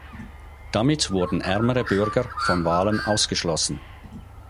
Damit wurden ärmere Bürger von Wahlen ausgeschlossen.